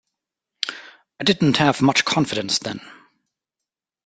I didn't have much confidence then.